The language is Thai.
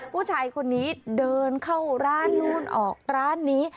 ผู้ชายคนนี้เดินเข้าร้านนู้นออกร้านนี้